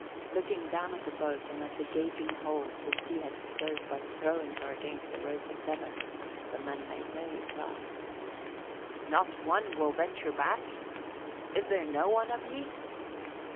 Looking down at the boat and at the gaping holes the sea had stove by throwing her against the Rose of Devon, the men made no reply. "Not one will venture back? Is there no one of ye?"